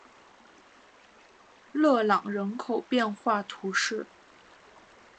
勒朗人口变化图示